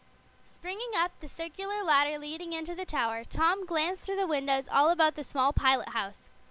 Springing up the circular ladder leading into the tower, Tom glanced through the windows all about the small pilot house.